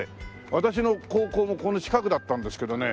私の高校もこの近くだったんですけどね